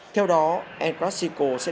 theo đó el clasico sẽ